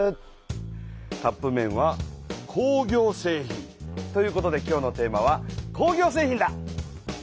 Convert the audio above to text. カップめんは工業製品。ということで今日のテーマは「工業製品」だ。